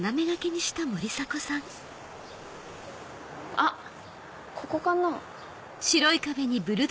あっここかな。